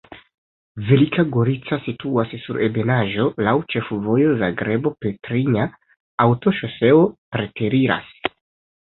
Velika Gorica situas sur ebenaĵo, laŭ ĉefvojo Zagrebo-Petrinja, aŭtoŝoseo preteriras.